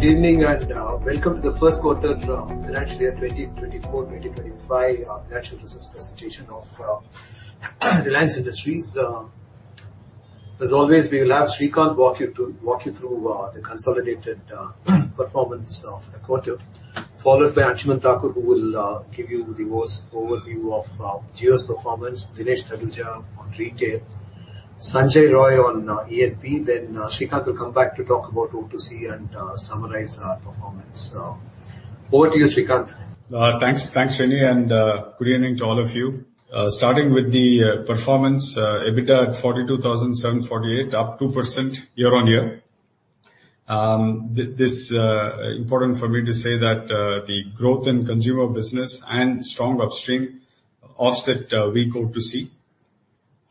Good evening, and welcome to the first quarter financial year 2024-2025 financial results presentation of Reliance Industries. As always, we will have Srikanth walk you through the consolidated performance of the quarter, followed by Anshuman Thakur, who will give you the overview of Jio's performance, Dinesh Taluja on retail, Sanjay Roy on E&P, then Srikanth will come back to talk about O2C and summarize our performance. Over to you, Srikanth. Thanks, Rani, and good evening to all of you. Starting with the performance, EBITDA at 42,748, up 2% year-on-year. This is important for me to say that the growth in consumer business and strong upstream offset weak O2C.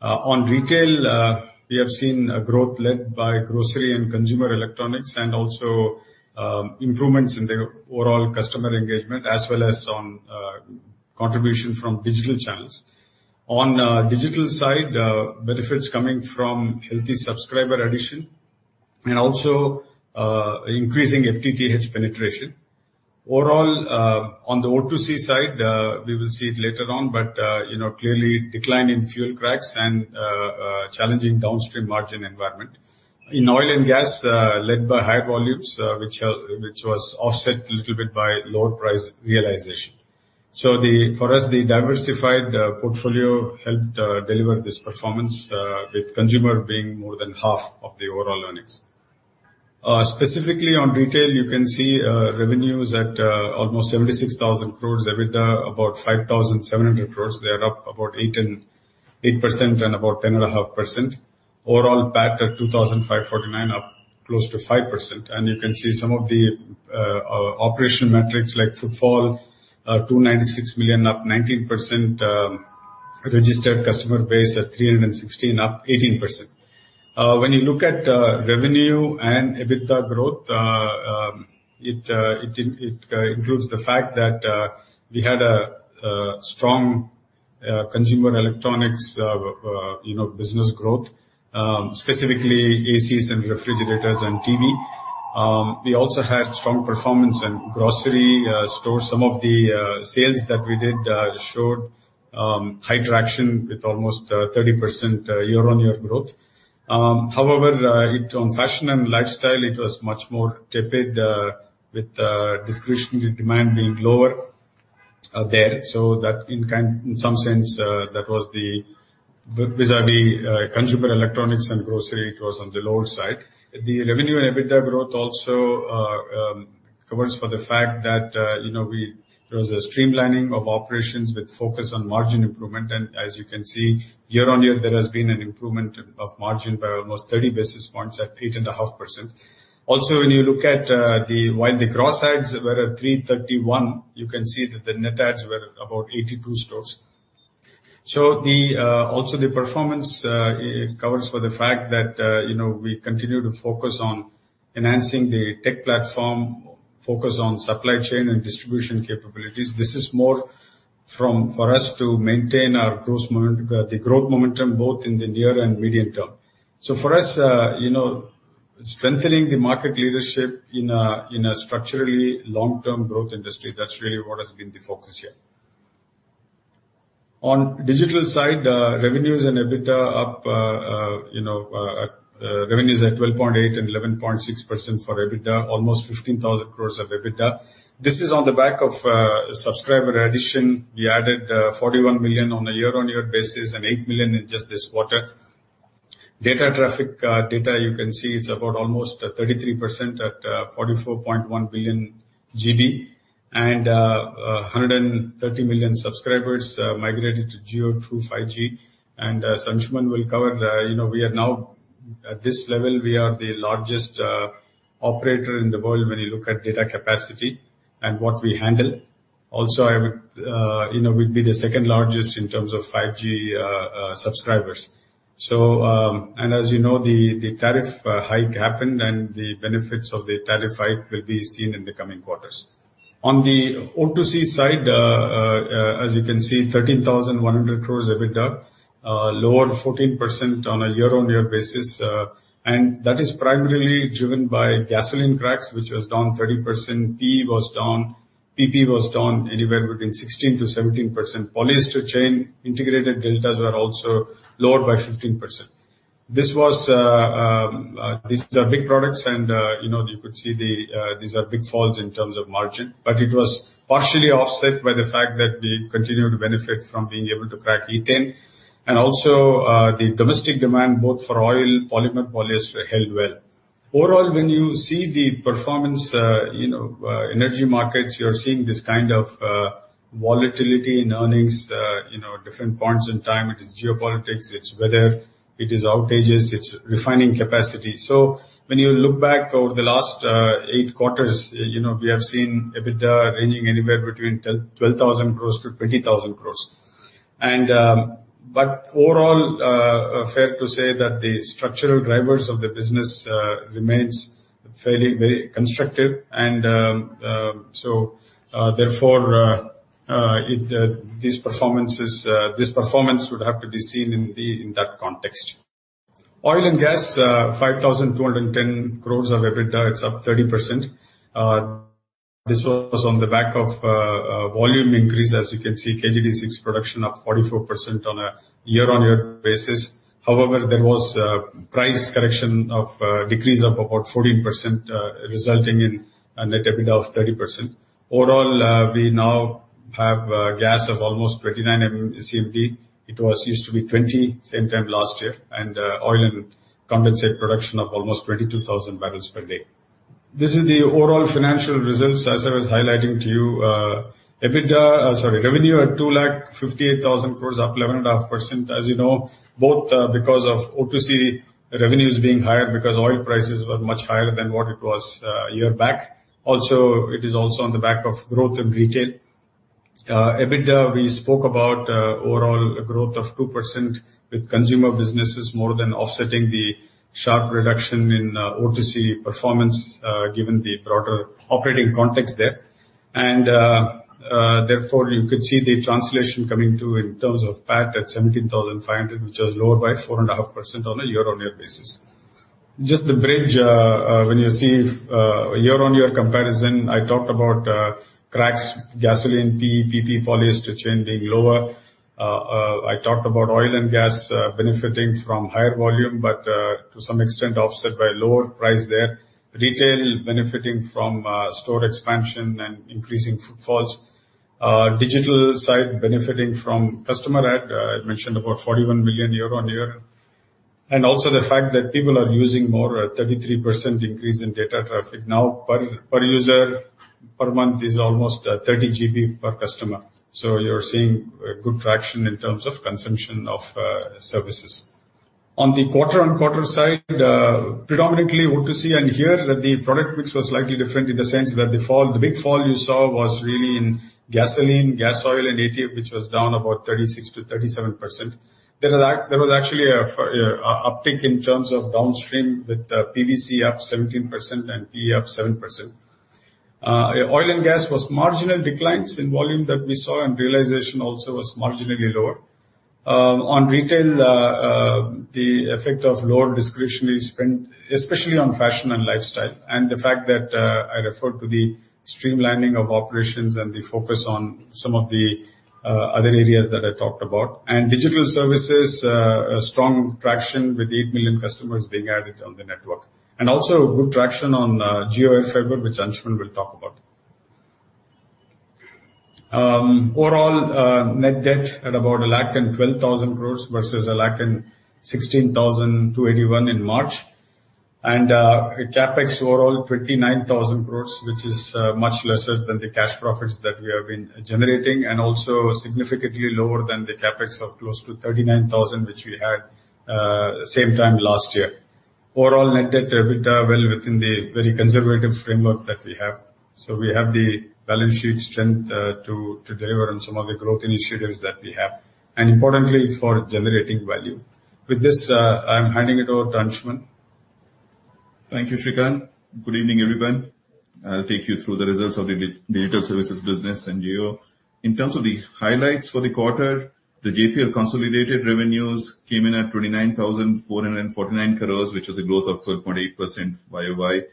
On retail, we have seen growth led by grocery and consumer electronics, and also improvements in the overall customer engagement, as well as on contribution from digital channels. On the digital side, benefits coming from healthy subscriber addition and also increasing FTTH penetration. Overall, on the O2C side, we will see it later on, but clearly declining fuel cracks and challenging downstream margin environment. In oil and gas, led by higher volumes, which was offset a little bit by lower price realization. So for us, the diversified portfolio helped deliver this performance, with consumer being more than half of the overall earnings. Specifically on retail, you can see revenues at almost 76,000 crore, EBITDA about 5,700 crore. They are up about 8% and about 10.5%. Overall PAT at 2,549 crore, up close to 5%. You can see some of the operational metrics like footfall, 296 million, up 19%, registered customer base at 316 million, up 18%. When you look at revenue and EBITDA growth, it includes the fact that we had a strong consumer electronics business growth, specifically ACs and refrigerators and TV. We also had strong performance in grocery stores. Some of the sales that we did showed high traction with almost 30% year-on-year growth. However, on fashion and lifestyle, it was much more tepid, with discretionary demand being lower there. So that, in some sense, that was the vis-à-vis consumer electronics and grocery, it was on the lower side. The revenue and EBITDA growth also covers for the fact that there was a streamlining of operations with focus on margin improvement. As you can see, year-on-year, there has been an improvement of margin by almost 30 basis points at 8.5%. Also, when you look at while the gross ads were at 331, you can see that the net ads were about 82 stores. So also the performance covers for the fact that we continue to focus on enhancing the tech platform, focus on supply chain and distribution capabilities. This is more for us to maintain our growth momentum, both in the near and medium term. So for us, strengthening the market leadership in a structurally long-term growth industry, that's really what has been the focus here. On digital side, revenues and EBITDA up, revenues at 12.8% and 11.6% for EBITDA, almost 15,000 crore of EBITDA. This is on the back of subscriber addition. We added 41 million on a year-on-year basis and eight million in just this quarter. Data traffic data, you can see it's about almost 33% at 44.1 billion GB, and 130 million subscribers migrated to Jio through 5G. And Anshuman will cover, we are now at this level, we are the largest operator in the world when you look at data capacity and what we handle. Also, we'd be the second largest in terms of 5G subscribers. And as you know, the tariff hike happened, and the benefits of the tariff hike will be seen in the coming quarters. On the O2C side, as you can see, 13,100 crore EBITDA, lower 14% on a year-on-year basis. And that is primarily driven by gasoline cracks, which was down 30%. PE was down. PP was down anywhere between 16%-17%. Polyester chain integrated deltas were also lowered by 15%. These are big products, and you could see these are big falls in terms of margin. But it was partially offset by the fact that we continue to benefit from being able to crack ethane. And also, the domestic demand, both for oil, polymer, polyester, held well. Overall, when you see the performance energy markets, you're seeing this kind of volatility in earnings, different points in time. It is geopolitics, it's weather, it is outages, it's refining capacity. So when you look back over the last eight quarters, we have seen EBITDA ranging anywhere between 12,000 crore-20,000 crore. But overall, fair to say that the structural drivers of the business remain fairly very constructive. And so therefore, this performance would have to be seen in that context. Oil and gas, 5,210 crore of EBITDA, it's up 30%. This was on the back of volume increase, as you can see, KG-D6 production up 44% on a year-on-year basis. However, there was price correction of decrease of about 14%, resulting in net EBITDA of 30%. Overall, we now have gas of almost 29 MMSCMD. It used to be 20 same time last year. And oil and condensate production of almost 22,000 barrels per day. This is the overall financial results, as I was highlighting to you. Revenue at 258,000 crore, up 11.5%. As you know, both because of O2C revenues being higher because oil prices were much higher than what it was a year back. Also, it is also on the back of growth in retail. EBITDA, we spoke about overall growth of 2% with consumer businesses more than offsetting the sharp reduction in O2C performance, given the broader operating context there. And therefore, you could see the translation coming to in terms of PAT at 17,500 crore, which was lower by 4.5% on a year-on-year basis. Just the bridge, when you see year-on-year comparison, I talked about cracks, gasoline, PE, PP, polyester chain being lower. I talked about oil and gas benefiting from higher volume, but to some extent offset by lower price there. Retail benefiting from store expansion and increasing footfalls. Digital side benefiting from customer adds. I mentioned about 41 million year-on-year. And also the fact that people are using more, a 33% increase in data traffic now. Per user, per month is almost 30 GB per customer. So you're seeing good traction in terms of consumption of services. On the quarter-on-quarter side, predominantly O2C and here, the product mix was slightly different in the sense that the big fall you saw was really in gasoline, gas oil, and ATF, which was down about 36%-37%. There was actually an uptick in terms of downstream with PVC up 17% and PE up 7%. Oil and gas was marginal declines in volume that we saw, and realization also was marginally lower. On retail, the effect of lower discretionary spend, especially on fashion and lifestyle, and the fact that I referred to the streamlining of operations and the focus on some of the other areas that I talked about. Digital services, strong traction with eight million customers being added on the network. Also good traction on JioFiber, which Anshuman will talk about. Overall, net debt at about 112,000 crore versus 116,281 crore in March. CapEx overall, 29,000 crore, which is much lesser than the cash profits that we have been generating, and also significantly lower than the CapEx of close to 39,000 crore, which we had same time last year. Overall, net debt EBITDA well within the very conservative framework that we have. So we have the balance sheet strength to deliver on some of the growth initiatives that we have. And importantly, for generating value. With this, I'm handing it over to Anshuman. Thank you, Srikanth. Good evening, everyone. I'll take you through the results of the digital services business and Jio. In terms of the highlights for the quarter, the JPL consolidated revenues came in at 29,449 crore, which was a growth of 12.8% YoY,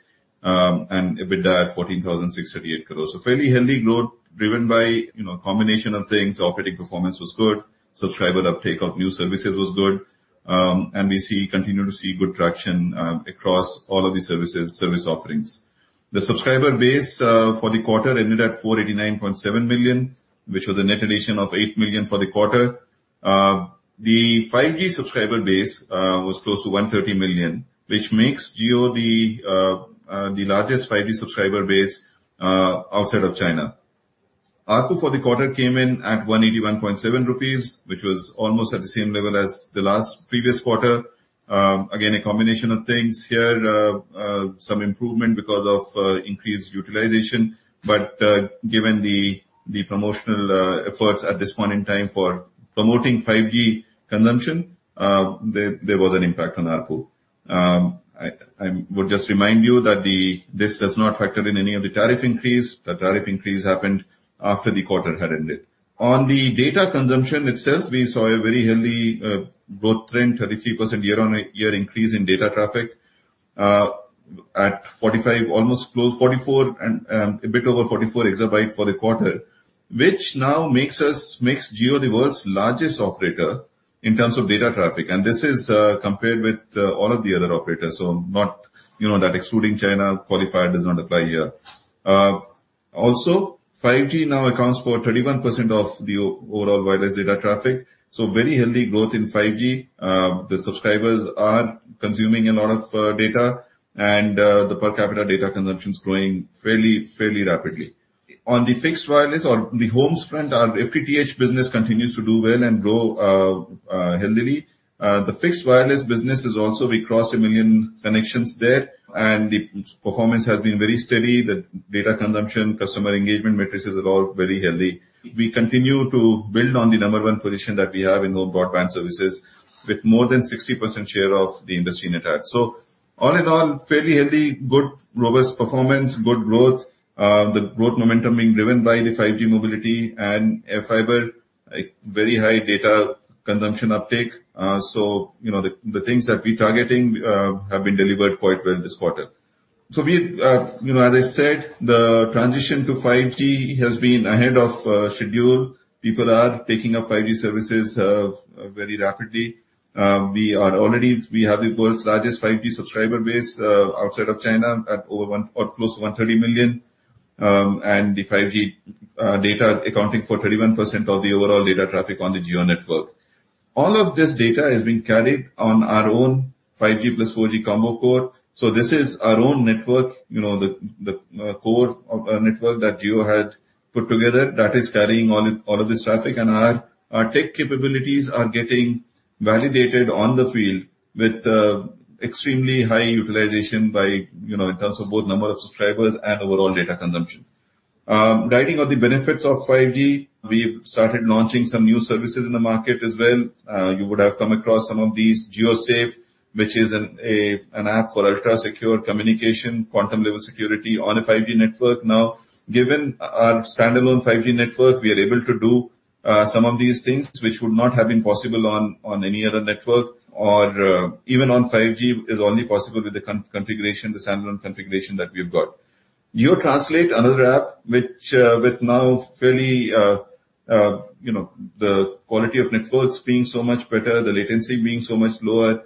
and EBITDA at 14,638 crore. So fairly healthy growth driven by a combination of things. Operating performance was good. Subscriber uptake of new services was good. We continue to see good traction across all of the services service offerings. The subscriber base for the quarter ended at 489.7 million, which was a net addition of eight million for the quarter. The 5G subscriber base was close to 130 million, which makes Jio the largest 5G subscriber base outside of China. ARPU for the quarter came in at 181.7 rupees, which was almost at the same level as the last previous quarter. Again, a combination of things here, some improvement because of increased utilization. But given the promotional efforts at this point in time for promoting 5G consumption, there was an impact on ARPU. I would just remind you that this does not factor in any of the tariff increase. The tariff increase happened after the quarter had ended. On the data consumption itself, we saw a very healthy growth trend, 33% year-on-year increase in data traffic at 45 almost close to 44 and a bit over 44 EB for the quarter, which now makes Jio the world's largest operator in terms of data traffic. And this is compared with all of the other operators. So not that excluding China, qualifier does not apply here. Also, 5G now accounts for 31% of the overall wireless data traffic. So very healthy growth in 5G. The subscribers are consuming a lot of data, and the per capita data consumption is growing fairly rapidly. On the fixed wireless or the homes front, our FTTH business continues to do well and grow healthily. The fixed wireless business is also we crossed one million connections there, and the performance has been very steady. The data consumption, customer engagement metrics are all very healthy. We continue to build on the number one position that we have in home broadband services with more than 60% share of the industry net adds. So all in all, fairly healthy, good robust performance, good growth. The growth momentum being driven by the 5G mobility and fiber, very high data consumption uptake. So the things that we are targeting have been delivered quite well this quarter. So as I said, the transition to 5G has been ahead of schedule. People are taking up 5G services very rapidly. We have the world's largest 5G subscriber base outside of China at close to 130 million. And the 5G data accounting for 31% of the overall data traffic on the Jio network. All of this data is being carried on our own 5G plus 4G combo core. So this is our own network, the core network that Jio had put together that is carrying all of this traffic. And our tech capabilities are getting validated on the field with extremely high utilization in terms of both number of subscribers and overall data consumption. Riding on the benefits of 5G, we started launching some new services in the market as well. You would have come across some of these JioSafe, which is an app for ultra-secure communication, quantum-level security on a 5G network. Now, given our standalone 5G network, we are able to do some of these things which would not have been possible on any other network, or even on 5G is only possible with the standalone configuration that we've got. JioTranslate, another app with now fairly the quality of networks being so much better, the latency being so much lower,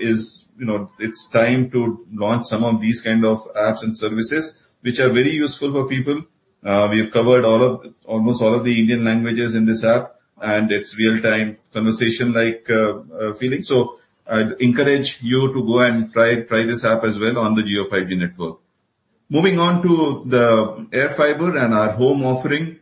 it's time to launch some of these kind of apps and services which are very useful for people. We have covered almost all of the Indian languages in this app, and it's real-time conversation-like feeling. So I'd encourage you to go and try this app as well on the Jio 5G network. Moving on to the JioAirFiber and our home offering,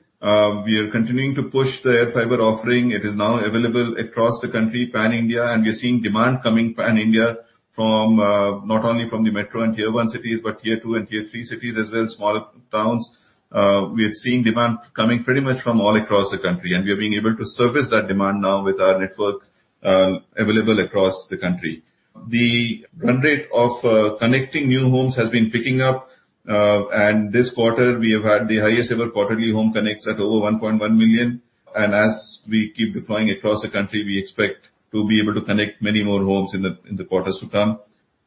we are continuing to push the JioAirFiber offering. It is now available across the country, pan-India, and we're seeing demand coming pan-India from not only from the metro and tier-one cities, but tier-two and tier-three cities as well, small towns. We are seeing demand coming pretty much from all across the country, and we are being able to service that demand now with our network available across the country. The run rate of connecting new homes has been picking up, and this quarter, we have had the highest ever quarterly home connects at over 1.1 million. As we keep deploying across the country, we expect to be able to connect many more homes in the quarters to come.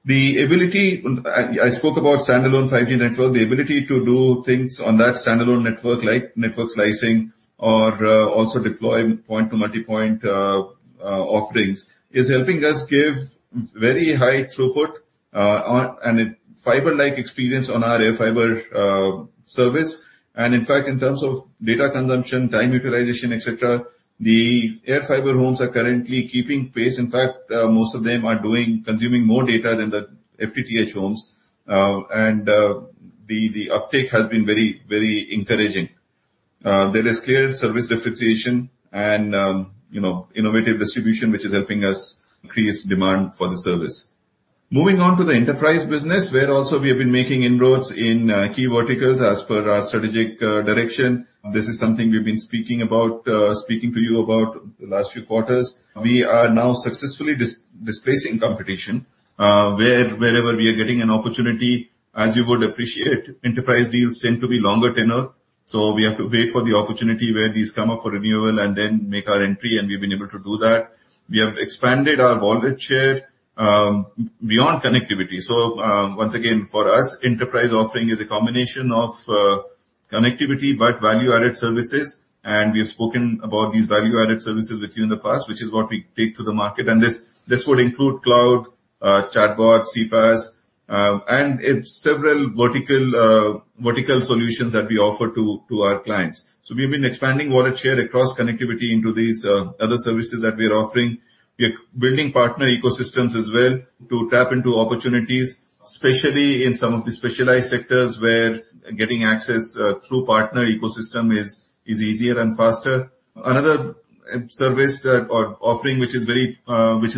The ability, I spoke about standalone 5G network, the ability to do things on that standalone network like network slicing or also deploy point-to-multipoint offerings is helping us give very high throughput and fiber-like experience on our air fiber service. In fact, in terms of data consumption, time utilization, etc., the air fiber homes are currently keeping pace. In fact, most of them are consuming more data than the FTTH homes, and the uptake has been very, very encouraging. There is clear service differentiation and innovative distribution, which is helping us increase demand for the service. Moving on to the enterprise business, where also we have been making inroads in key verticals as per our strategic direction. This is something we've been speaking to you about the last few quarters. We are now successfully displacing competition wherever we are getting an opportunity. As you would appreciate, enterprise deals tend to be longer tenor. So we have to wait for the opportunity where these come up for renewal and then make our entry, and we've been able to do that. We have expanded our volume share beyond connectivity. So once again, for us, enterprise offering is a combination of connectivity, but value-added services. We have spoken about these value-added services with you in the past, which is what we take to the market. This would include cloud, chatbot, CPaaS, and several vertical solutions that we offer to our clients. We have been expanding what it shared across connectivity into these other services that we are offering. We are building partner ecosystems as well to tap into opportunities, especially in some of the specialized sectors where getting access through partner ecosystem is easier and faster. Another service or offering which is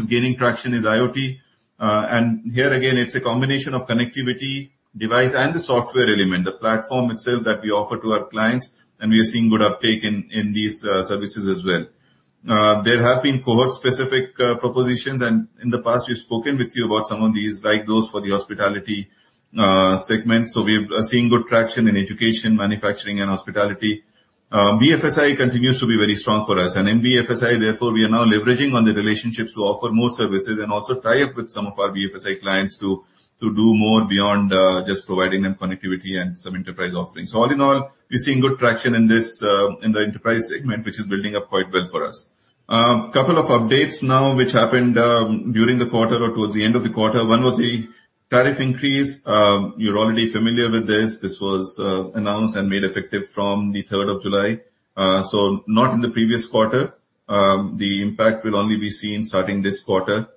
gaining traction is IoT. Here again, it's a combination of connectivity, device, and the software element, the platform itself that we offer to our clients, and we are seeing good uptake in these services as well. There have been cohort-specific propositions, and in the past, we've spoken with you about some of these, like those for the hospitality segment. So we are seeing good traction in education, manufacturing, and hospitality. BFSI continues to be very strong for us, and in BFSI, therefore, we are now leveraging on the relationships to offer more services and also tie up with some of our BFSI clients to do more beyond just providing them connectivity and some enterprise offerings. So all in all, we're seeing good traction in the enterprise segment, which is building up quite well for us. A couple of updates now, which happened during the quarter or towards the end of the quarter. One was the tariff increase. You're already familiar with this. This was announced and made effective from the 3rd of July. So not in the previous quarter. The impact will only be seen starting this quarter.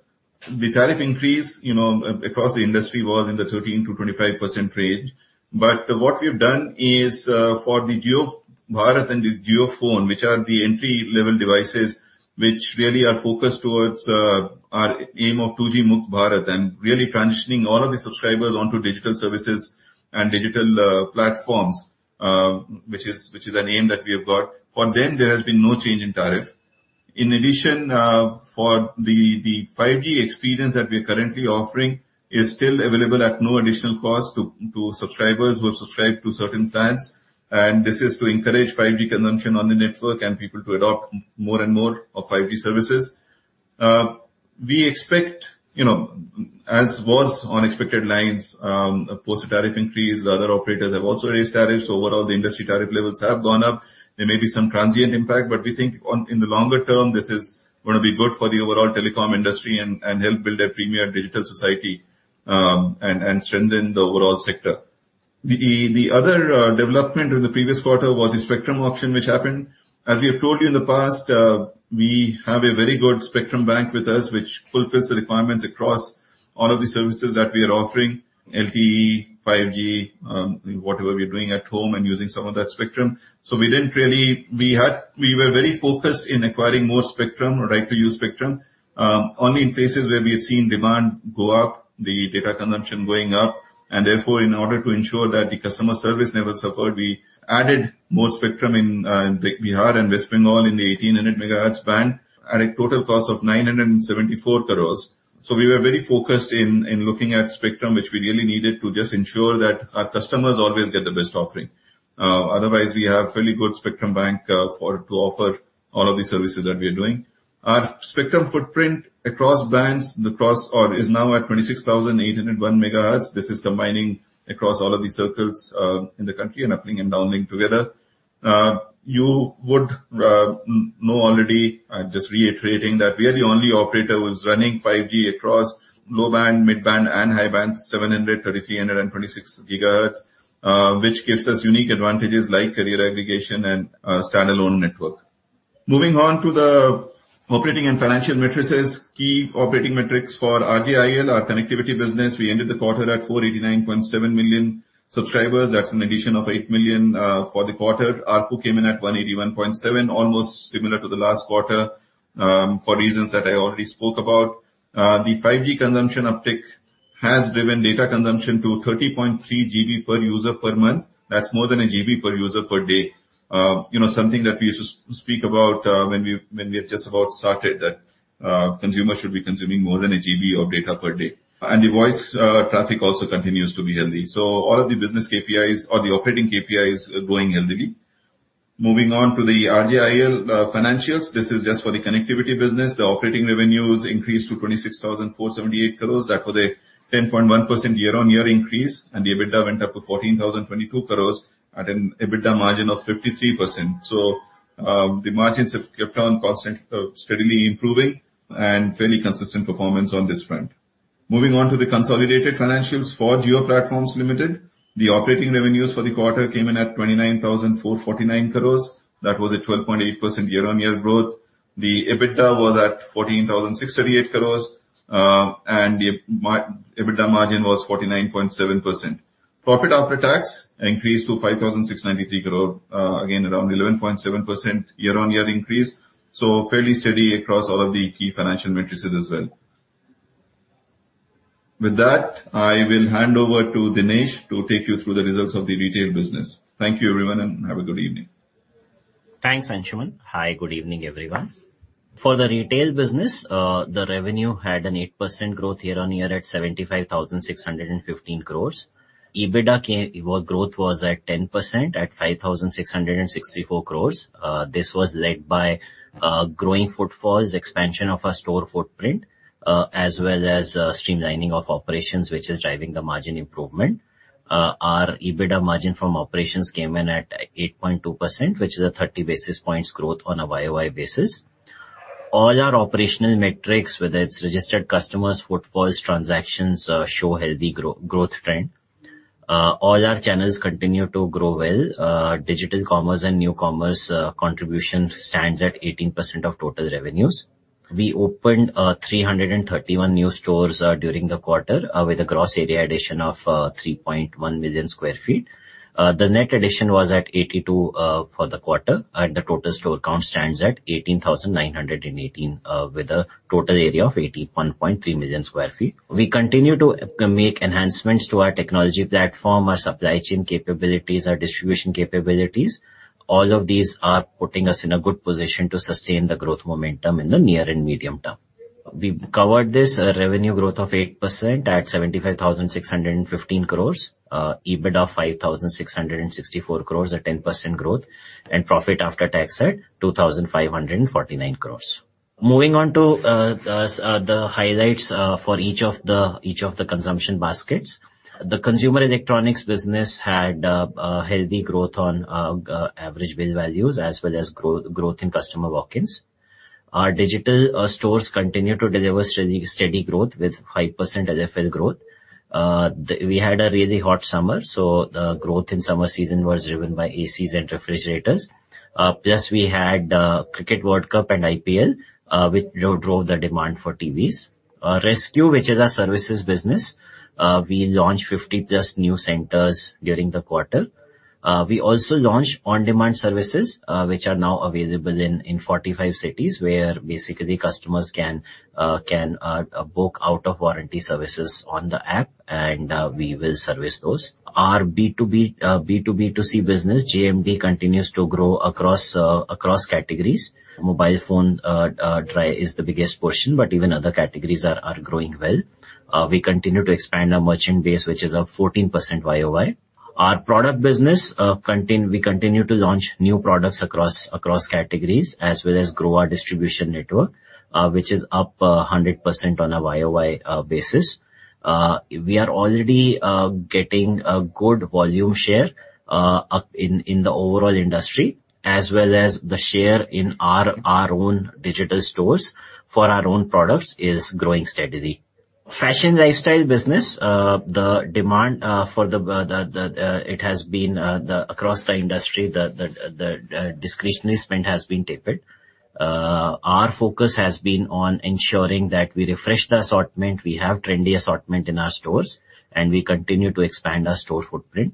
The tariff increase across the industry was in the 13%-25% range. But what we have done is for the JioBharat and the JioPhone, which are the entry-level devices which really are focused towards our aim of 2G-Mukt Bharat and really transitioning all of the subscribers onto digital services and digital platforms, which is an aim that we have got. For them, there has been no change in tariff. In addition, for the 5G experience that we are currently offering is still available at no additional cost to subscribers who have subscribed to certain plans. And this is to encourage 5G consumption on the network and people to adopt more and more of 5G services. We expect, as was on expected lines, post-tariff increase. The other operators have also raised tariffs. Overall, the industry tariff levels have gone up. There may be some transient impact, but we think in the longer term, this is going to be good for the overall telecom industry and help build a premier digital society and strengthen the overall sector. The other development in the previous quarter was the spectrum auction, which happened. As we have told you in the past, we have a very good spectrum bank with us, which fulfills the requirements across all of the services that we are offering, LTE, 5G, whatever we are doing at home and using some of that spectrum. So we were very focused in acquiring more spectrum, right-to-use spectrum, only in places where we had seen demand go up, the data consumption going up. Therefore, in order to ensure that the customer service never suffered, we added more spectrum in Bihar and West Bengal in the 1,800 MHz band at a total cost of 974 crore. So we were very focused in looking at spectrum, which we really needed to just ensure that our customers always get the best offering. Otherwise, we have a fairly good spectrum bank to offer all of the services that we are doing. Our spectrum footprint across bands is now at 26,801 MHz. This is combining across all of the circles in the country and uplink and downlink together. You would know already, just reiterating, that we are the only operator who is running 5G across low band, mid band, and high band, 700, 3,300 GHz, and 26 GHz, which gives us unique advantages like carrier aggregation and standalone network. Moving on to the operating and financial metrics, key operating metrics for RJIL, our connectivity business. We ended the quarter at 489.7 million subscribers. That's an addition of eight million for the quarter. ARPU came in at 181.7, almost similar to the last quarter for reasons that I already spoke about. The 5G consumption uptick has driven data consumption to 30.3 GB per user per month. That's more than a GB per user per day, something that we used to speak about when we had just about started that consumers should be consuming more than a GB of data per day. And the voice traffic also continues to be healthy. So all of the business KPIs or the operating KPIs are going healthily. Moving on to the RJIL financials, this is just for the connectivity business. The operating revenues increased to 26,478 crore. That was a 10.1% year-on-year increase, and the EBITDA went up to 14,022 crores at an EBITDA margin of 53%. So the margins have kept on steadily improving and fairly consistent performance on this front. Moving on to the consolidated financials for Jio Platforms Limited, the operating revenues for the quarter came in at 29,449 crores. That was a 12.8% year-on-year growth. The EBITDA was at 14,638 crores, and the EBITDA margin was 49.7%. Profit after tax increased to 5,693 crores, again around 11.7% year-on-year increase. So fairly steady across all of the key financial metrics as well. With that, I will hand over to Dinesh to take you through the results of the retail business. Thank you, everyone, and have a good evening. Thanks, Anshuman. Hi, good evening, everyone. For the retail business, the revenue had an 8% year-on-year growth at 75,615 crores. EBITDA growth was at 10% at 5,664 crore. This was led by growing footfalls, expansion of our store footprint, as well as streamlining of operations, which is driving the margin improvement. Our EBITDA margin from operations came in at 8.2%, which is a 30 basis points growth on a YoY basis. All our operational metrics, whether it's registered customers, footfalls, transactions, show healthy growth trend. All our channels continue to grow well. Digital commerce and new commerce contribution stands at 18% of total revenues. We opened 331 new stores during the quarter with a gross area addition of 3.1 million sq ft. The net addition was at 82 for the quarter, and the total store count stands at 18,918 with a total area of 81.3 million sq ft. We continue to make enhancements to our technology platform, our supply chain capabilities, our distribution capabilities. All of these are putting us in a good position to sustain the growth momentum in the near and medium term. We covered this revenue growth of 8% at 75,615 crore, EBITDA of 5,664 crore, a 10% growth, and profit after tax at 2,549 crore. Moving on to the highlights for each of the consumption baskets, the consumer electronics business had healthy growth on average bill values as well as growth in customer walk-ins. Our digital stores continue to deliver steady growth with 5% LFL growth. We had a really hot summer, so the growth in summer season was driven by ACs and refrigerators. Plus, we had the cricket World Cup and IPL, which drove the demand for TVs. resQ, which is our services business, we launched 50+ new centers during the quarter. We also launched on-demand services, which are now available in 45 cities where basically customers can book out-of-warranty services on the app, and we will service those. Our B2B to C business, JMD, continues to grow across categories. Mobile phone is the biggest portion, but even other categories are growing well. We continue to expand our merchant base, which is a 14% YoY. Our product business, we continue to launch new products across categories as well as grow our distribution network, which is up 100% on a YoY basis. We are already getting a good volume share in the overall industry, as well as the share in our own digital stores for our own products is growing steadily. Fashion lifestyle business, the demand for it has been across the industry, the discretionary spend has been tapered. Our focus has been on ensuring that we refresh the assortment. We have trendy assortment in our stores, and we continue to expand our store footprint.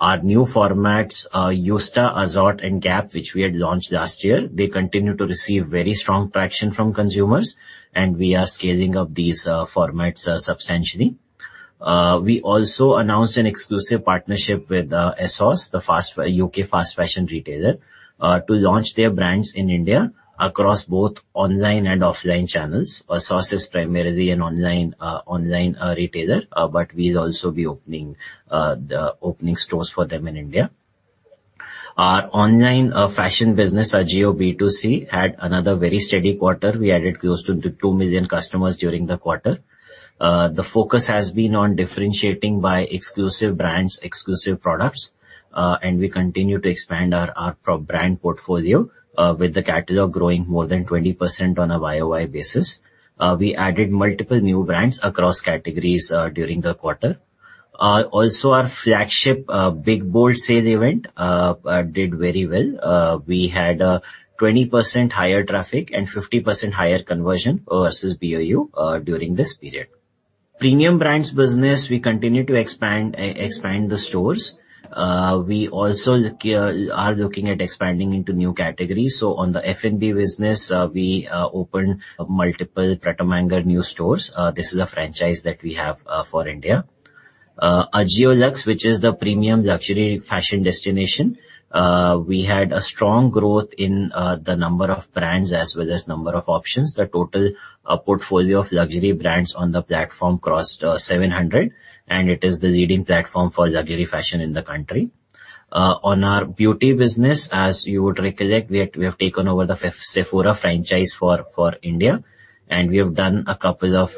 Our new formats, Yousta, Azorte, and GAP, which we had launched last year, they continue to receive very strong traction from consumers, and we are scaling up these formats substantially. We also announced an exclusive partnership with ASOS, the UK fast fashion retailer, to launch their brands in India across both online and offline channels. ASOS is primarily an online retailer, but we'll also be opening the opening stores for them in India. Our online fashion business, our AJIO B2C, had another very steady quarter. We added close to two million customers during the quarter. The focus has been on differentiating by exclusive brands, exclusive products, and we continue to expand our brand portfolio with the catalog growing more than 20% on a YoY basis. We added multiple new brands across categories during the quarter. Also, our flagship Big Bold Sale event did very well. We had a 20% higher traffic and 50% higher conversion versus BAU during this period. Premium brands business, we continue to expand the stores. We also are looking at expanding into new categories. So on the F&B business, we opened multiple Pret A Manger new stores. This is a franchise that we have for India. Ajio Luxe, which is the premium luxury fashion destination, we had a strong growth in the number of brands as well as number of options. The total portfolio of luxury brands on the platform crossed 700, and it is the leading platform for luxury fashion in the country. On our beauty business, as you would recollect, we have taken over the Sephora franchise for India, and we have done a couple of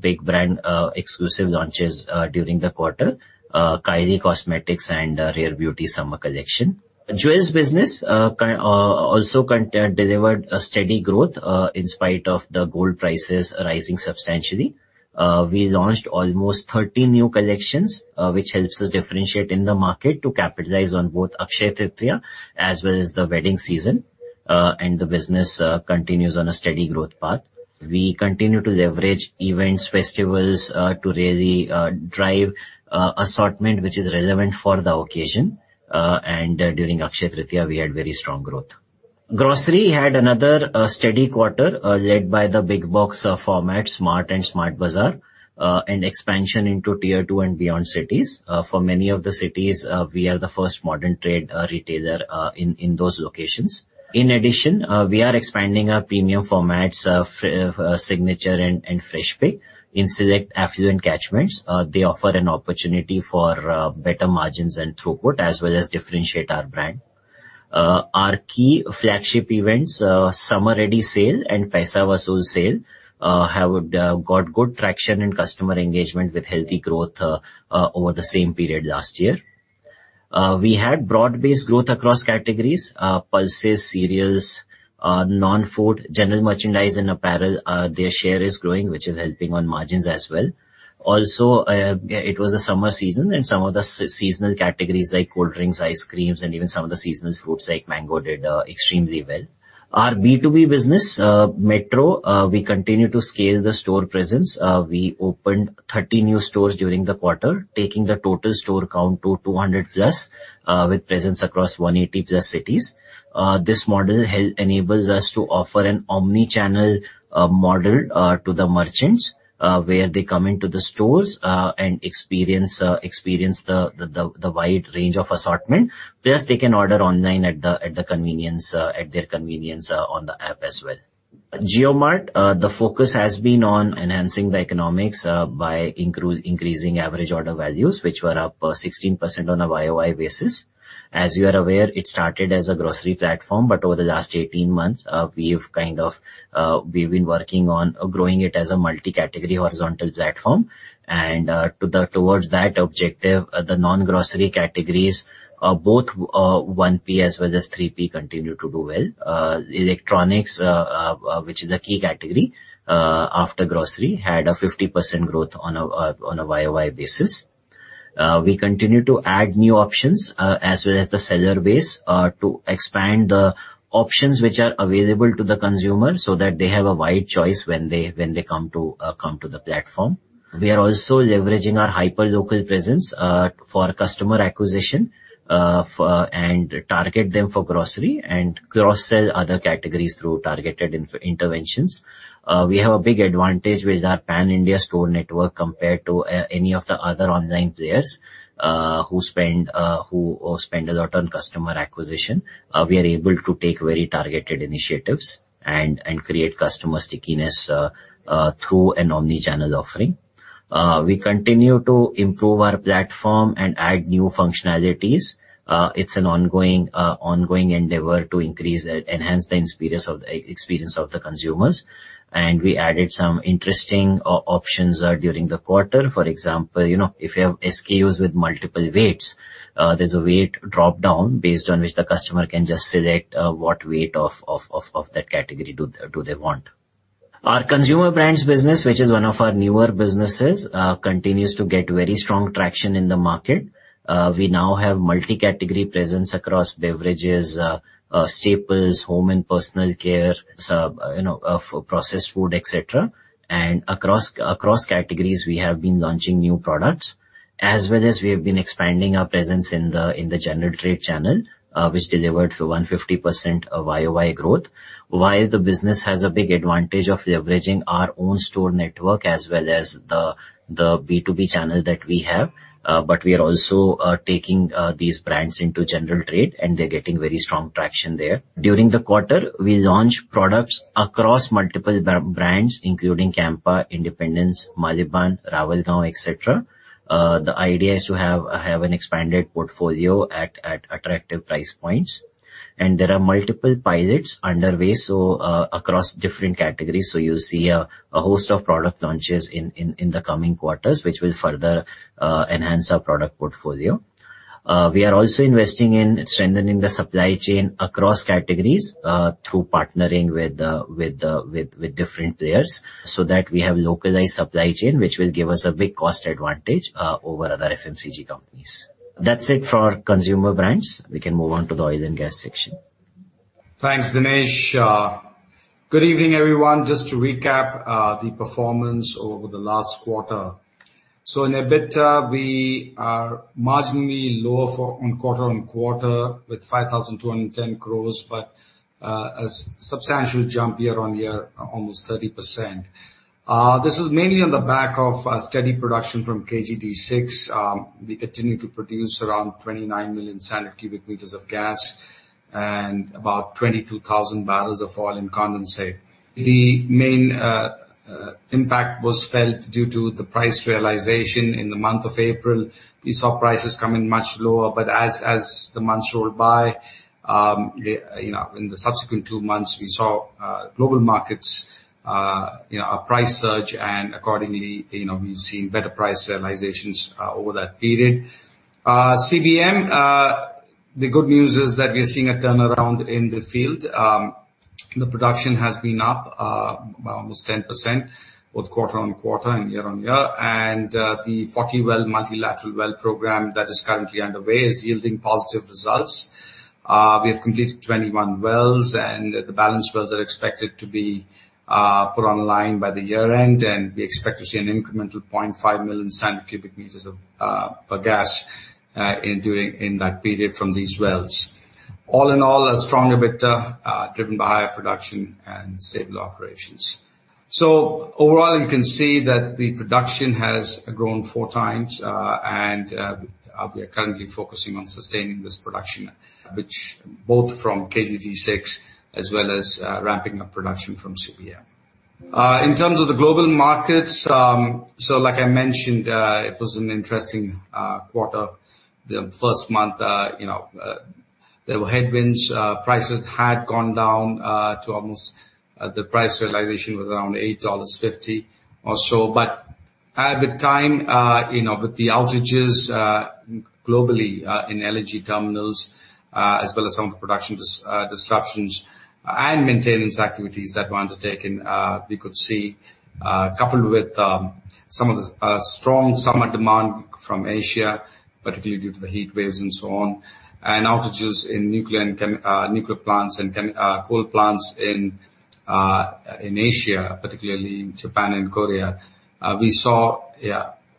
big brand exclusive launches during the quarter, Kylie Cosmetics and Rare Beauty Summer Collection. Jewels business also delivered a steady growth in spite of the gold prices rising substantially. We launched almost 30 new collections, which helps us differentiate in the market to capitalize on both Akshaya Tritiya as well as the wedding season, and the business continues on a steady growth path. We continue to leverage events, festivals to really drive assortment, which is relevant for the occasion, and during Akshaya Tritiya, we had very strong growth. Grocery had another steady quarter led by the big box format, SMART and SMART Bazaar, and expansion into tier two and beyond cities. For many of the cities, we are the first modern trade retailer in those locations. In addition, we are expanding our premium formats, Signature and Freshpik in select affluent catchments. They offer an opportunity for better margins and throughput as well as differentiate our brand. Our key flagship events, Summer Ready Sale and Paisa Vasool Sale, have got good traction and customer engagement with healthy growth over the same period last year. We had broad-based growth across categories: pulses, cereals, non-food, general merchandise, and apparel. Their share is growing, which is helping on margins as well. Also, it was a summer season, and some of the seasonal categories like cold drinks, ice creams, and even some of the seasonal fruits like mango did extremely well. Our B2B business, Metro, we continue to scale the store presence. We opened 30 new stores during the quarter, taking the total store count to 200+ with presence across 180+ cities. This model enables us to offer an omnichannel model to the merchants where they come into the stores and experience the wide range of assortment. Plus, they can order online at their convenience on the app as well. JioMart, the focus has been on enhancing the economics by increasing average order values, which were up 16% on a YoY basis. As you are aware, it started as a grocery platform, but over the last 18 months, we've been working on growing it as a multi-category horizontal platform. And towards that objective, the non-grocery categories, both 1P as well as 3P, continue to do well. Electronics, which is a key category after grocery, had a 50% growth on a YoY basis. We continue to add new options as well as the seller base to expand the options which are available to the consumer so that they have a wide choice when they come to the platform. We are also leveraging our hyperlocal presence for customer acquisition and target them for grocery and cross-sell other categories through targeted interventions. We have a big advantage with our pan-India store network compared to any of the other online players who spend a lot on customer acquisition. We are able to take very targeted initiatives and create customer stickiness through an omnichannel offering. We continue to improve our platform and add new functionalities. It's an ongoing endeavor to enhance the experience of the consumers. We added some interesting options during the quarter. For example, if you have SKUs with multiple weights, there's a weight dropdown based on which the customer can just select what weight of that category do they want. Our consumer brands business, which is one of our newer businesses, continues to get very strong traction in the market. We now have multi-category presence across beverages, staples, home and personal care, processed food, etc. And across categories, we have been launching new products, as well as we have been expanding our presence in the general trade channel, which delivered 150% YoY growth. While the business has a big advantage of leveraging our own store network as well as the B2B channel that we have, but we are also taking these brands into general trade, and they're getting very strong traction there. During the quarter, we launch products across multiple brands, including Campa, Independence, Maliban, Ravalgaon, etc. The idea is to have an expanded portfolio at attractive price points. And there are multiple pilots underway across different categories. So you'll see a host of product launches in the coming quarters, which will further enhance our product portfolio. We are also investing in strengthening the supply chain across categories through partnering with different players so that we have localized supply chain, which will give us a big cost advantage over other FMCG companies. That's it for consumer brands. We can move on to the oil and gas section. Thanks, Dinesh. Good evening, everyone. Just to recap the performance over the last quarter. So in EBITDA, we are marginally lower on quarter-on-quarter with 5,210 crore, but a substantial jump year-on-year, almost 30%. This is mainly on the back of steady production from KG-D6. We continue to produce around 29 million standard cubic meters of gas and about 22,000 barrels of oil and condensate. The main impact was felt due to the price realization in the month of April. We saw prices come in much lower, but as the months rolled by, in the subsequent two months, we saw global markets price surge, and accordingly, we've seen better price realizations over that period. CBM, the good news is that we're seeing a turnaround in the field. The production has been up by almost 10% both quarter-on-quarter and year-on-year. The 40-Well Multilateral Well program that is currently underway is yielding positive results. We have completed 21 wells, and the balanced wells are expected to be put online by the year-end. We expect to see an incremental 0.5 million standard cubic meters of gas during that period from these wells. All in all, a strong EBITDA driven by higher production and stable operations. So overall, you can see that the production has grown four times, and we are currently focusing on sustaining this production, which both from KG-D6 as well as ramping up production from CBM. In terms of the global markets, so like I mentioned, it was an interesting quarter. The first month, there were headwinds. Prices had gone down to almost the price realization was around $8.50 or so. But at the time, with the outages globally in LNG terminals, as well as some of the production disruptions and maintenance activities that were undertaken, we could see coupled with some of the strong summer demand from Asia, particularly due to the heat waves and so on, and outages in nuclear plants and coal plants in Asia, particularly in Japan and Korea, we saw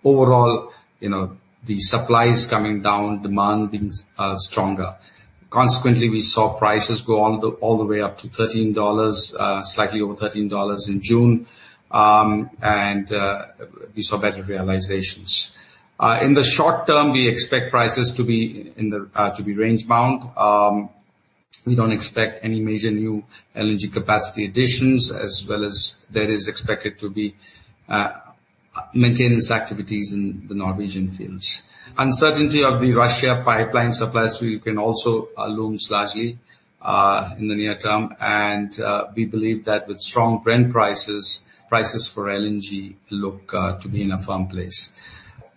overall the supplies coming down, demand being stronger. Consequently, we saw prices go all the way up to $13, slightly over $13 in June, and we saw better realizations. In the short term, we expect prices to be in the range-bound. We don't expect any major new LNG capacity additions, as well as there is expected to be maintenance activities in the Norwegian fields. Uncertainty of the Russian pipeline supply stream can also loom slightly in the near term, and we believe that with strong demand, prices for LNG look to be in a firm place.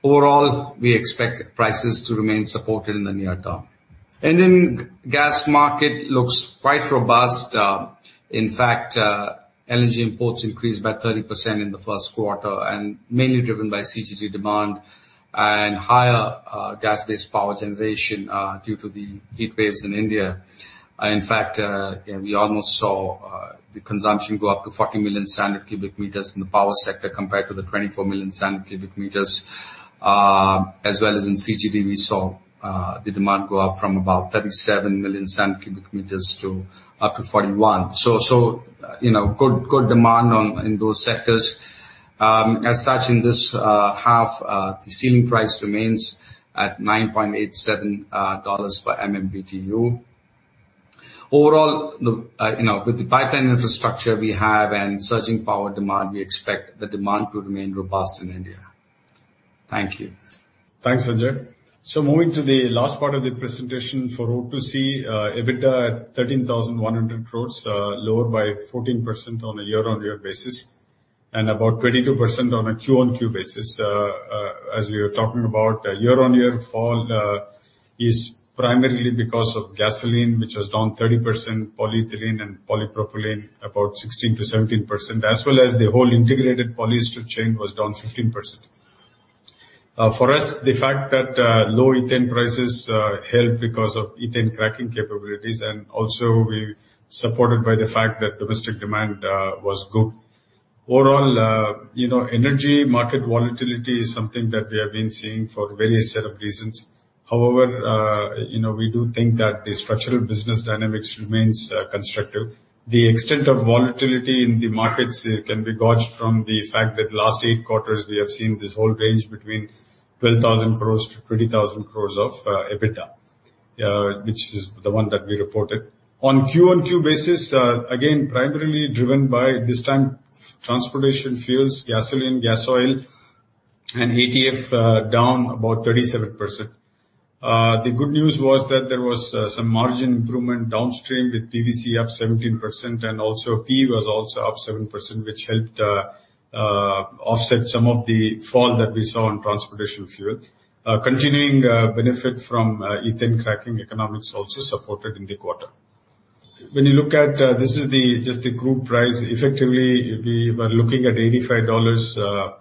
Overall, we expect prices to remain supported in the near term. Indian gas market looks quite robust. In fact, LNG imports increased by 30% in the first quarter, and mainly driven by CGD demand and higher gas-based power generation due to the heat waves in India. In fact, we almost saw the consumption go up to 40 million standard cubic meters in the power sector compared to the 24 million standard cubic meters. As well as in CGD, we saw the demand go up from about 37 million standard cubic meters to up to 41. So good demand in those sectors. As such, in this half, the ceiling price remains at $9.87 per MMBTU. Overall, with the pipeline infrastructure we have and surging power demand, we expect the demand to remain robust in India. Thank yo. Thanks, Sanjay. So moving to the last part of the presentation for O2C, EBITDA at 13,100 crore, lower by 14% on a year-on-year basis and about 22% on a quarter-on-quarter basis. As we were talking about, year-on-year fall is primarily because of gasoline, which was down 30%, polyethylene and polypropylene about 16%-17%, as well as the whole integrated polyester chain was down 15%. For us, the fact that low ethane prices helped because of ethane cracking capabilities, and also we supported by the fact that domestic demand was good. Overall, energy market volatility is something that we have been seeing for various set of reasons. However, we do think that the structural business dynamics remains constructive. The extent of volatility in the markets can be gauged from the fact that last 8 quarters we have seen this whole range between 12,000 crore-20,000 crore of EBITDA, which is the one that we reported. On Q-on-Q basis, again, primarily driven by this time transportation fuels, gasoline, gas oil, and ATF down about 37%. The good news was that there was some margin improvement downstream with PVC up 17%, and also PE was also up 7%, which helped offset some of the fall that we saw in transportation fuel. Continuing benefit from ethane cracking economics also supported in the quarter. When you look at this is just the crude price, effectively we were looking at $85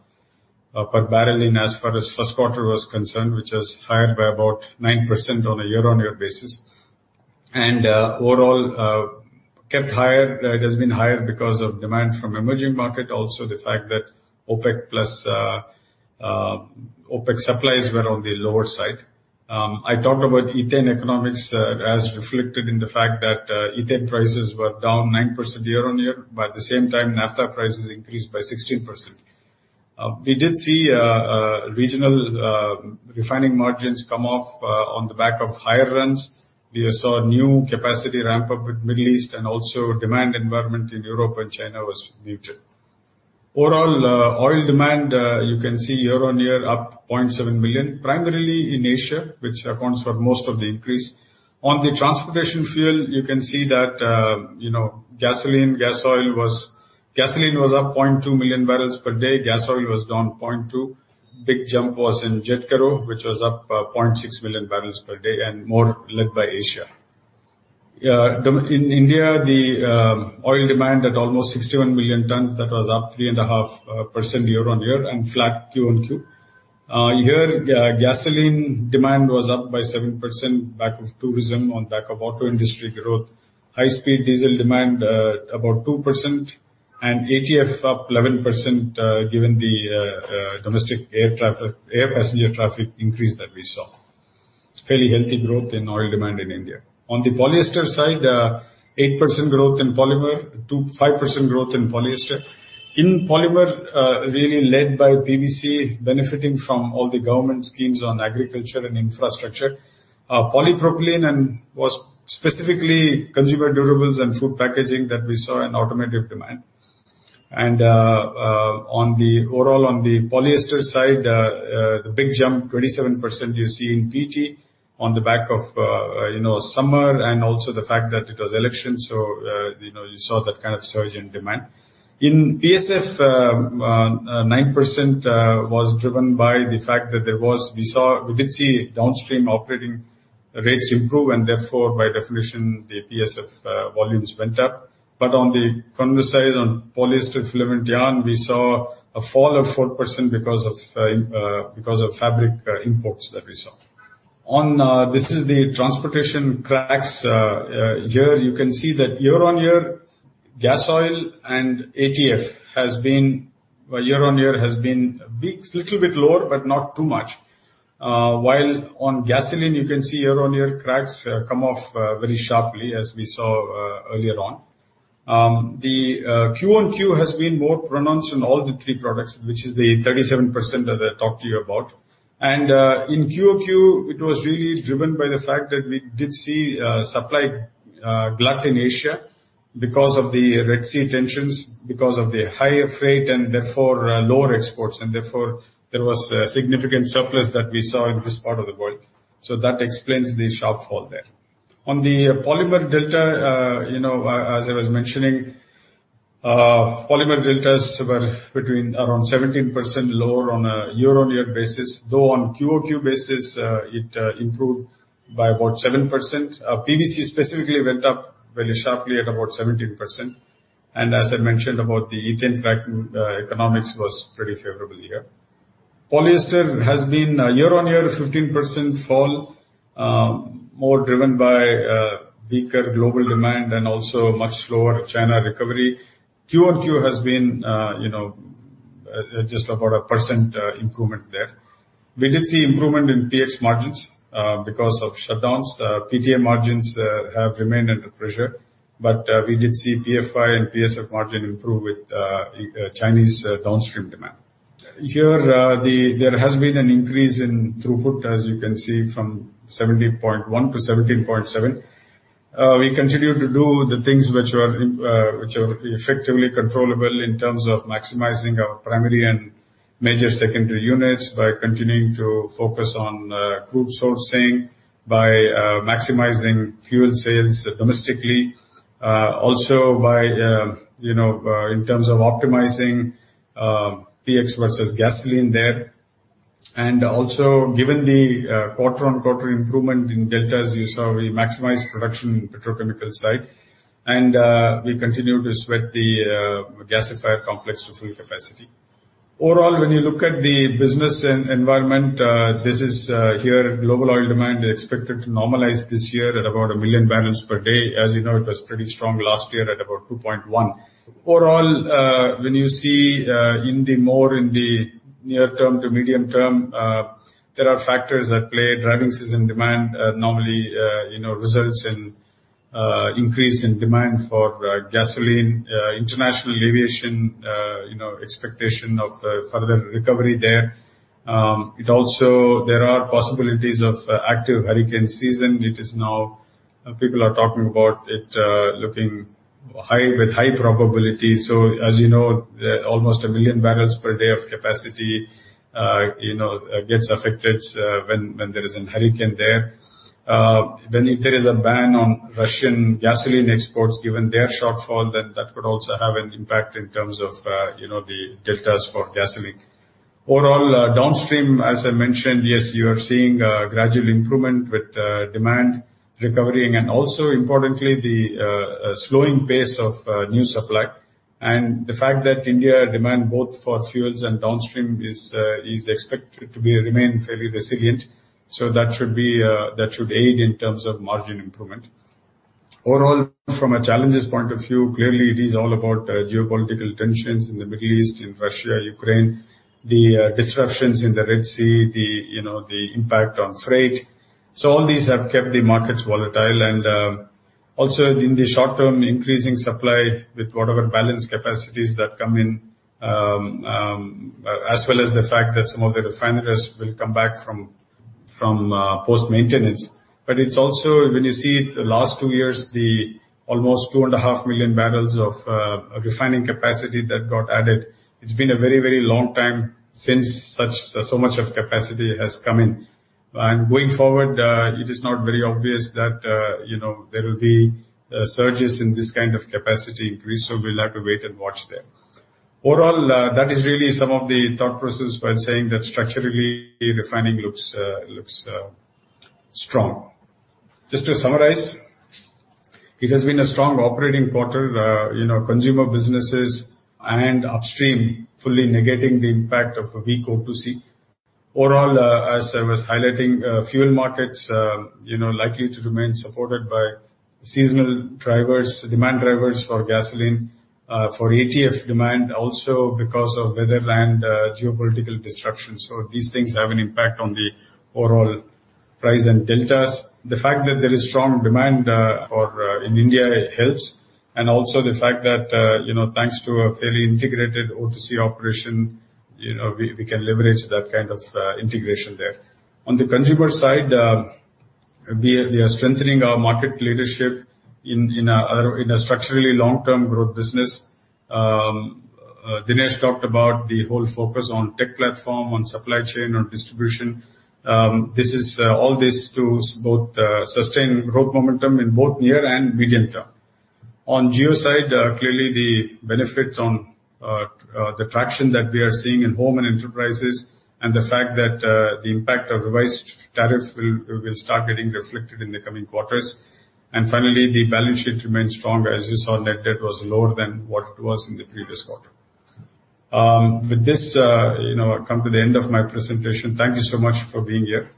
per barrel in as far as first quarter was concerned, which is higher by about 9% on a year-on-year basis. And overall, kept higher. It has been higher because of demand from emerging market, also the fact that OPEC supplies were on the lower side. I talked about ethane economics as reflected in the fact that ethane prices were down 9% year-on-year. By the same token, naphtha prices increased by 16%. We did see regional refining margins come off on the back of higher runs. We saw new capacity ramp up with Middle East, and also demand environment in Europe and China was muted. Overall, oil demand, you can see year-on-year up 0.7 million, primarily in Asia, which accounts for most of the increase. On the transportation fuel, you can see that gasoline, gas oil was gasoline was up 0.2 million barrels per day. Gas oil was down 0.2. Big jump was in Jet/Kero, which was up 0.6 million barrels per day and more led by Asia. In India, the oil demand at almost 61 million tons that was up 3.5% year-on-year and flat Q-on-Q. Here, gasoline demand was up by 7% back of tourism on back of auto industry growth. High-speed diesel demand about 2% and ATF up 11% given the domestic air passenger traffic increase that we saw. Fairly healthy growth in oil demand in India. On the polyester side, 8% growth in polymer, 5% growth in polyester. In polymer, really led by PVC benefiting from all the government schemes on agriculture and infrastructure. Polypropylene and was specifically consumer durables and food packaging that we saw an automotive demand. And overall, on the polyester side, the big jump 27% you see in PT on the back of summer and also the fact that it was elections. So you saw that kind of surge in demand. In PSF, 9% was driven by the fact that we did see downstream operating rates improve and therefore by definition, the PSF volumes went up. But on the condensate on polyester filament yarn we saw a fall of 4% because of fabric imports that we saw. This is the transportation cracks. Here you can see that year-on-year gas oil and ATF has been year-on-year has been a little bit lower, but not too much. While on gasoline, you can see year-on-year cracks come off very sharply as we saw earlier on. The Q-on-Q has been more pronounced in all the three products, which is the 37% that I talked to you about. And in QoQ, it was really driven by the fact that we did see supply glut in Asia because of the Red Sea tensions, because of the higher freight and therefore lower exports. And therefore there was significant surplus that we saw in this part of the world. So that explains the sharp fall there. On the polymer delta, as I was mentioning, polymer deltas were between around 17% lower on a year-on-year basis, though on quarter-on-quarter basis, it improved by about 7%. PVC specifically went up very sharply at about 17%. As I mentioned about the ethane cracking economics was pretty favorable here. Polyester has been year-on-year 15% fall, more driven by weaker global demand and also much slower China recovery. Q-on-Q has been just about 1% improvement there. We did see improvement in PX margins because of shutdowns. PTA margins have remained under pressure, but we did see PFY and PSF margin improve with Chinese downstream demand. Here, there has been an increase in throughput, as you can see from 17.1 to 17.7. We continue to do the things which are effectively controllable in terms of maximizing our primary and major secondary units by continuing to focus on crude sourcing, by maximizing fuel sales domestically, also by in terms of optimizing PX versus gasoline there. And also given the quarter-on-quarter improvement in deltas, you saw we maximized production in petrochemical site, and we continue to sweat the gasifier complex to full capacity. Overall, when you look at the business environment, this year global oil demand expected to normalize this year at about one million barrels per day. As you know, it was pretty strong last year at about 2.1. Overall, when you see in the more in the near term to medium term, there are factors at play driving season demand normally results in increase in demand for gasoline, international aviation expectation of further recovery there. It also there are possibilities of active hurricane season. It is now people are talking about it looking high with high probability. So as you know, almost one million barrels per day of capacity gets affected when there is a hurricane there. Then if there is a ban on Russian gasoline exports given their shortfall, then that could also have an impact in terms of the deltas for gasoline. Overall, downstream, as I mentioned, yes, you are seeing a gradual improvement with demand recovering and also importantly, the slowing pace of new supply. The fact that India demand both for fuels and downstream is expected to remain fairly resilient. That should aid in terms of margin improvement. Overall, from a challenges point of view, clearly it is all about geopolitical tensions in the Middle East, in Russia, Ukraine, the disruptions in the Red Sea, the impact on freight. All these have kept the markets volatile and also in the short term increasing supply with whatever balance capacities that come in, as well as the fact that some of the refineries will come back from post-maintenance. But it's also when you see the last two years, the almost 2.5 million barrels of refining capacity that got added. It's been a very, very long time since so much of capacity has come in. And going forward, it is not very obvious that there will be surges in this kind of capacity increase. So we'll have to wait and watch there. Overall, that is really some of the thought process while saying that structurally refining looks strong. Just to summarize, it has been a strong operating quarter, consumer businesses and upstream fully negating the impact of a weak O2C. Overall, as I was highlighting, fuel markets likely to remain supported by seasonal drivers, demand drivers for gasoline, for ATF demand, also because of weather and geopolitical disruptions. So these things have an impact on the overall price and deltas. The fact that there is strong demand in India helps. And also the fact that thanks to a fairly integrated O2C operation, we can leverage that kind of integration there. On the consumer side, we are strengthening our market leadership in a structurally long-term growth business. Dinesh talked about the whole focus on tech platform, on supply chain, on distribution. This is all to both sustain growth momentum in both near and medium term. On Jio side, clearly the benefits on the traction that we are seeing in home and enterprises and the fact that the impact of revised tariff will start getting reflected in the coming quarters. And finally, the balance sheet remains strong as you saw net debt was lower than what it was in the previous quarter. With this, I come to the end of my presentation. Thank you so much for being here.